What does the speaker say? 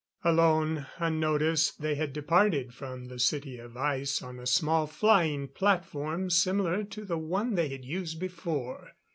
Alone, unnoticed, they had departed from the City of Ice on a small flying platform similar to the one they had used before.